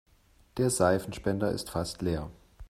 Der Seifenspender ist fast leer.